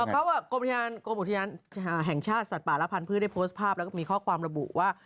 เขากรมอุทยานแห่งชาติสัตว์ป่าและพันธุ์ได้โพสต์ภาพแล้วก็มีข้อความระบุว่า